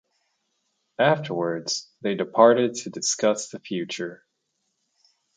Afterwards, they departed to discuss the future.